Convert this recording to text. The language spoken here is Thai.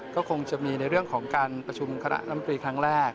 ก็คงจะมีในเรื่องของการประชุมคณะลำตรีครั้งแรก